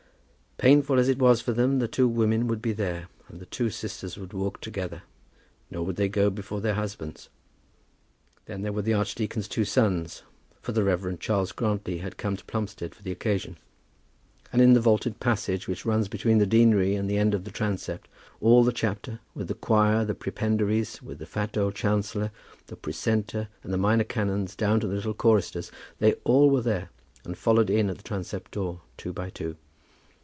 Painful as it was for them, the two women would be there, and the two sisters would walk together; nor would they go before their husbands. Then there were the archdeacon's two sons, for the Rev. Charles Grantly had come to Plumstead on the occasion. And in the vaulted passage which runs between the deanery and the end of the transept all the chapter, with the choir, the prebendaries, with the fat old chancellor, the precentor, and the minor canons down to the little choristers, they all were there, and followed in at the transept door, two by two.